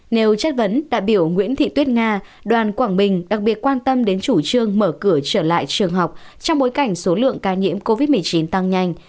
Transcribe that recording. nếu chất vấn đại biểu nguyễn thị tuyết nga đoàn quảng bình đặc biệt quan tâm đến chủ trương mở cửa trở lại trường học trong bối cảnh số lượng ca nhiễm covid một mươi chín tăng nhanh